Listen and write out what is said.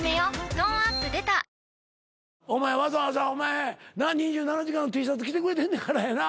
トーンアップ出たわざわざお前『２７時間』のＴシャツ着てくれてんねからやな。